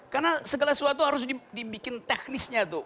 karena segala sesuatu harus dibikin teknisnya tuh